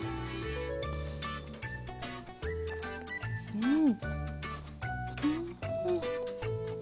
うん。